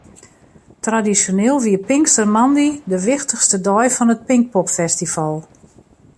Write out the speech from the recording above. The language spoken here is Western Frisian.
Tradisjoneel wie pinkstermoandei de wichtichste dei fan it Pinkpopfestival.